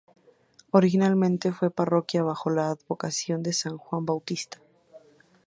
Originariamente fue parroquia bajo la advocación de San Juan Bautista.